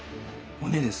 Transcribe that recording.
骨です。